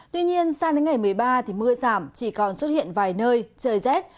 tuy nhiên sang đến ngày một mươi ba thì mưa giảm chỉ còn xuất hiện vài nơi trời rét